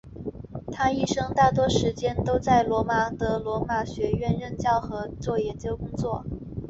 他一生大多数时间在罗马的罗马学院任教和做研究工作。